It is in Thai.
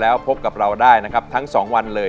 แล้วพบกับเราได้นะครับทั้ง๒วันเลย